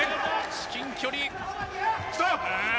至近距離。